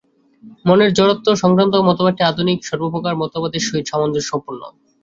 মনের জড়ত্ব-সংক্রান্ত মতবাদটি আধুনিক সর্বপ্রকার মতবাদের সহিত সামঞ্জস্যপূর্ণ।